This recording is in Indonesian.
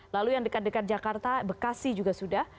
lalu yang dekat dekat jakarta bekasi juga sudah